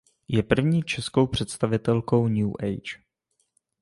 Je první českou představitelkou New Age.